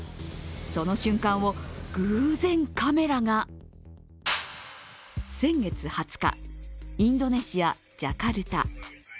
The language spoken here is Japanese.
その瞬間を偶然、カメラが先月２０日、インドネシア・ジャカルタ。